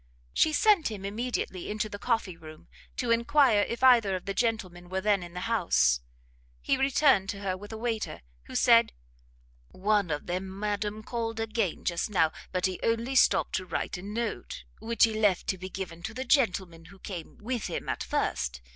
She sent him immediately into the coffee room, to enquire if either of the gentlemen were then in the house. He returned to her with a waiter, who said, "One of them, madam, called again just now, but he only stopt to write a note, which he left to be given to the gentleman who came with him at first.